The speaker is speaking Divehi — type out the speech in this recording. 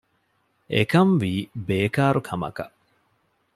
އެކަންވީ ބޭކާރު ކަމަކަށް